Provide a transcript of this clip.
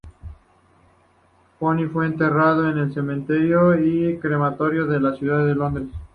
Polly fue enterrada en el Cementerio y Crematorio de la ciudad de Londres.